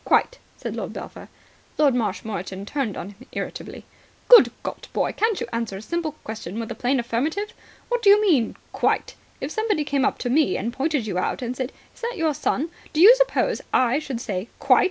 "Quite," said Lord Belpher. Lord Marshmoreton turned on him irritably. "Good God, boy, can't you answer a simple question with a plain affirmative? What do you mean quite? If somebody came to me and pointed you out and said, 'Is that your son?' do you suppose I should say 'Quite?'